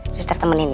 sus taruh temanin ya